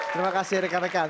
terima kasih rekan rekan